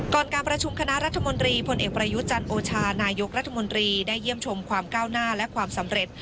การประชุมคณะรัฐมนตรีพลเอกประยุจันทร์โอชานายกรัฐมนตรีได้เยี่ยมชมความก้าวหน้าและความสำเร็จ